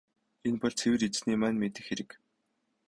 Энэ бол цэвэр Эзэний маань мэдэх хэрэг.